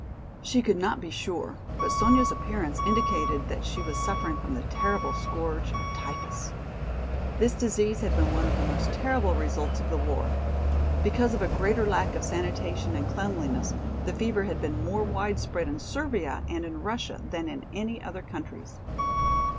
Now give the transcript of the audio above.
She could not be sure, but Sonya's appearance indicated that she was suffering from the terrible scourge of typhus. This disease had been one of the most terrible results of the war. Because of a greater lack of sanitation and cleanliness the fever had been more widespread in Servia and in Russia than in any other countries.